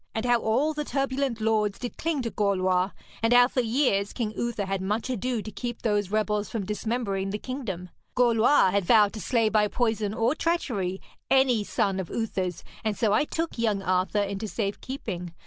And how all the turbulent lords did cling to Gorlois, and how for years King Uther had much ado to keep those rebels from dismembering the kingdom. Gorlois had vowed to slay by poison or treachery any son of Uther's, and so I took young Arthur into safe keeping.